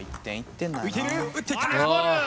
浮いている打っていった。